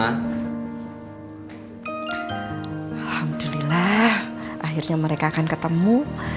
alhamdulillah akhirnya mereka akan ketemu